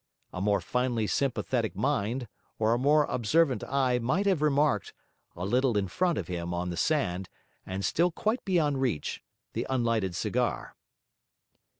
A more finely sympathetic mind or a more observant eye might have remarked, a little in front of him on the sand, and still quite beyond reach, the unlighted cigar.